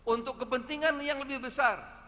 untuk kepentingan yang lebih besar